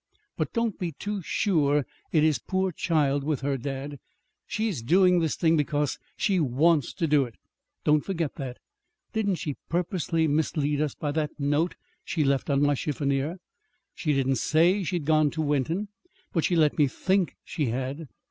But don't be too sure it is 'poor child' with her, dad. She's doing this thing because she wants to do it. Don't forget that. Didn't she purposely mislead us by that note she left on my chiffonier? She didn't say she had gone to Wenton, but she let me think she had.